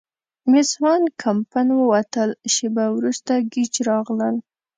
مېس وان کمپن ووتل، شیبه وروسته ګېج راغلل.